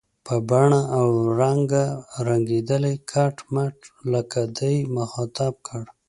په بڼه او رنګ رنګېدلی، کټ مټ لکه دی، مخاطب کړ.